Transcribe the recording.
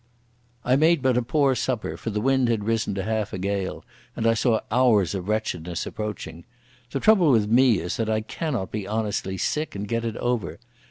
I made but a poor supper, for the wind had risen to half a gale, and I saw hours of wretchedness approaching. The trouble with me is that I cannot be honestly sick and get it over.